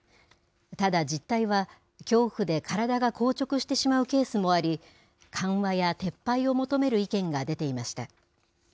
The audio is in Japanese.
ただ、実態は恐怖で体が硬直してしまうケースもあり、緩和や撤廃を求める意見が出ていました。